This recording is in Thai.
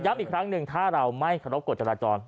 ย้ำอีกครั้งหนึ่งถ้าเราไม่ครบกฎจรจร